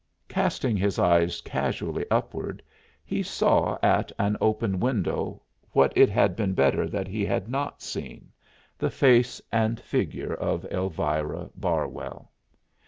Casting his eyes casually upward he saw at an open window what it had been better that he had not seen the face and figure of Elvira Barwell.